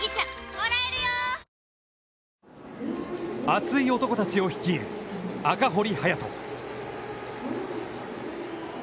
熱い男たちを率いる赤堀颯。